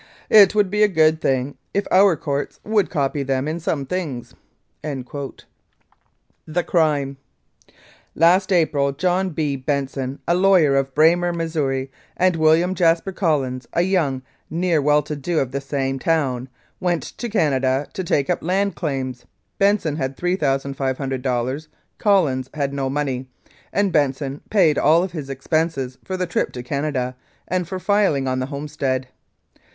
* It would be a good thing if our courts would copy them in some things.' "THE CRIME "Last April, John P. Benson, a lawyer, of Braymer, Mo., and William Jaspar Collins, a young ne'er do well, of the same town, went to Canada to take up land claims. Benson had $3,500. Collins had no money, and Ben son paid all of his expenses for the trip to Canada and for riling on the homestead.